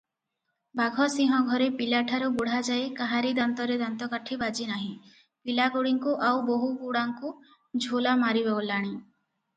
ବାଘସିଂହ ଘରେ ପିଲାଠାରୁ ବୁଢ଼ାଯାଏ କାହାରି ଦାନ୍ତରେ ଦାନ୍ତକାଠି ବାଜିନାହିଁ ; ପିଲାଗୁଡ଼ିଙ୍କୁ ଆଉ ବୋହୂଗୁଡ଼ାଙ୍କୁ ଝୋଲା ମାରିଗଲାଣି ।